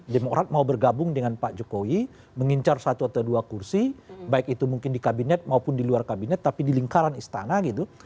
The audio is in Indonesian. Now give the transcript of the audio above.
demokrat mau bergabung dengan pak jokowi mengincar satu atau dua kursi baik itu mungkin di kabinet maupun di luar kabinet tapi di lingkaran istana gitu